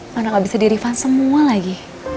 mana gak bisa dirifan semua lagi